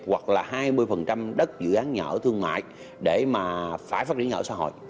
hoặc là hai mươi đất dự án nhà ở thương mại để mà phải phát triển nhà ở xã hội